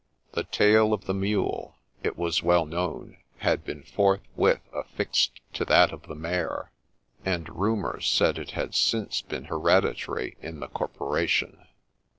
The tail of the mule, it was well known, had been forthwith affixed to that of the Mayor ; and rumour said it had since been hereditary in the corporation.